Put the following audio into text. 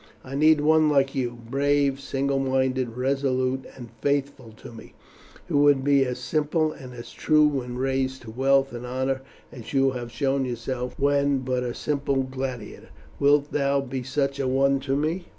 I need one like you, brave, single minded, resolute, and faithful to me, who would be as simple and as true when raised to wealth and honour as you have shown yourself when but a simple gladiator. Wilt thou be such a one to me?"